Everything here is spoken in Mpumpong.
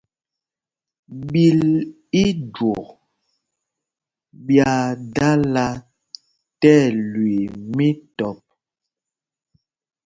Ɓǐl íjwok ɓyaa dala tí ɛlüii mītɔp.